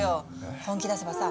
本気出せばさ